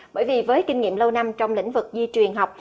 bởi vì với kinh nghiệm lâu năm trong lĩnh vực di truyền học